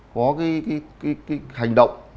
có cái hành động